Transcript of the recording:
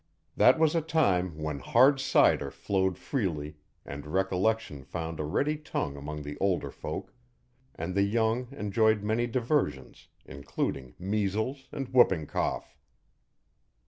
That was a time when hard cider flowed freely and recollection found a ready tongue among the older folk, and the young enjoyed many diversions, including measles and whooping cough.